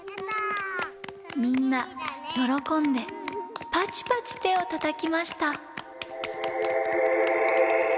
みんなよろこんでパチパチてをたたきました。